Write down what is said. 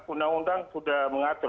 undang undang sudah mengatur